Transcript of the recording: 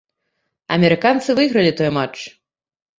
Амерыканцы выйгралі той матч.